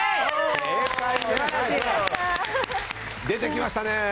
出てきましたね。